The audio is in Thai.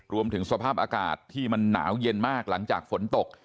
รวมถึงสภาพอากาศที่มันหนาวเย็นมากหลังจากฝนตก